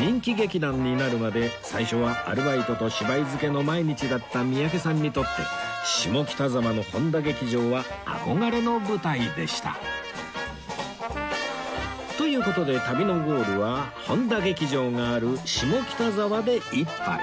人気劇団になるまで最初はアルバイトと芝居漬けの毎日だった三宅さんにとって下北沢のという事で旅のゴールは本多劇場がある下北沢で一杯